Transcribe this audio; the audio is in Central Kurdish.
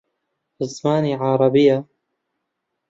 بە زمانی عەرەبییە